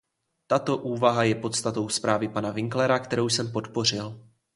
Tato úvaha je podstatou zprávy pana Winklera, kterou jsem podpořil.